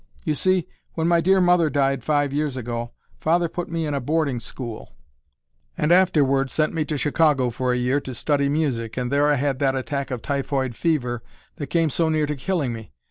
You see, when my dear mother died five years ago, father put me in a boarding school, and afterward sent me to Chicago for a year to study music, and there I had that attack of typhoid fever that came so near to killing me.